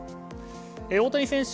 大谷選手